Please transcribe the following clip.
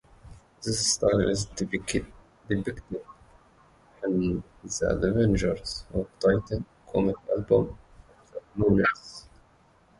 This style is depicted in "The Adventures of Tintin" comic album "The Blue Lotus".